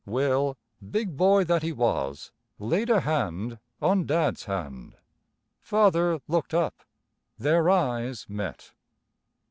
Will, big boy that he was, laid a hand on Dad's hand. Father looked up; their eyes met.